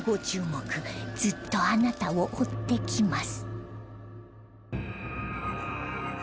ずっとあなたを追ってきます